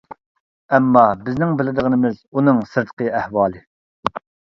ئەمما بىزنىڭ بىلىدىغىنىمىز ئۇنىڭ سىرتقى ئەھۋالى.